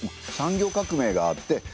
産業革命があって